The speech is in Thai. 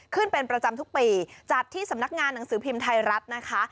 เป็นประจำทุกปีจัดที่สำนักงานหนังสือพิมพ์ไทยรัฐนะคะ